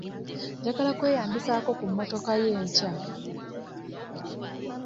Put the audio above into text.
Njagala kweyambisaako ku mmotoka yo enkya.